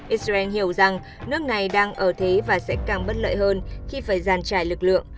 israel hiểu rằng nước này đang ở thế và sẽ càng bất lợi hơn khi phải giàn trải lực lượng